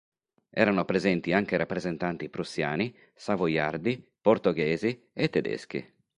Erano presenti anche rappresentanti prussiani, savoiardi, portoghesi e tedeschi.